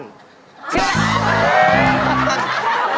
ชื่อ